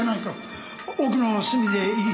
奥の隅でいい。